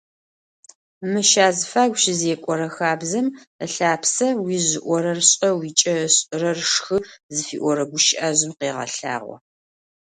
Мыщ азыфагу щызекӏорэ хабзэм ылъапсэ «Уижъ ыӏорэр шӏэ, уикӏэ ышӏырэр шхы» зыфиӏорэ гущыӏэжъым къегъэлъагъо.